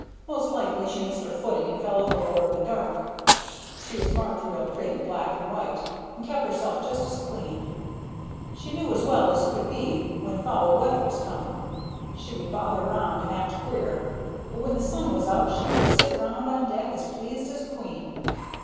Most likely she missed her footing, and fell overboard in the dark. She was marked real pretty, black and white, and kep' herself just as clean! She knew as well as could be when foul weather was coming; she would bother round and act queer; but when the sun was out she would sit round on deck as pleased as a queen.